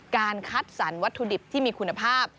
การคัดสรรวัตถุดิบที่มีคุณภาพ